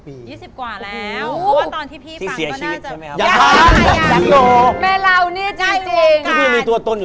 ที่เราฟังตอนนั้นเราฟังรายการวิทยุ